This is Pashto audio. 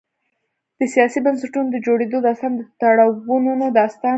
د سیاسي بنسټونو د جوړېدو داستان د تړونونو داستان دی.